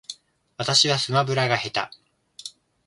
私はスマブラが下手